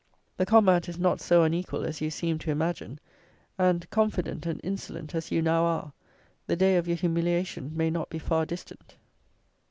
The combat is not so unequal as you seem to imagine; and, confident and insolent as you now are, the day of your humiliation may not be far distant."